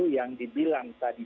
yang dibilang tadi